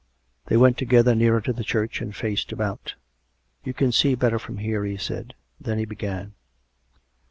They went together nearer to the church, and faced about. " We can see better from here," he said. Then he began.